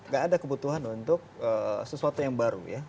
gak ada kebutuhan untuk sesuatu yang baru ya